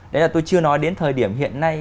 đấy là tôi chưa nói đến thời điểm hiện nay